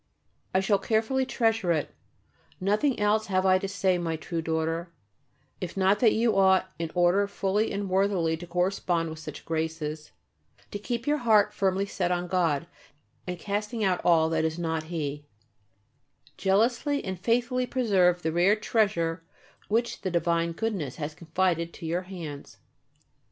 I shall carefully treasure it. Nothing else have I to say, my true daughter, if not that you ought, in order fully and worthily to correspond with such graces, to keep your heart firmly set on God, and casting out all that is not He, jealously and faithfully preserve the rare treasure which the divine Goodness has confided to your hands.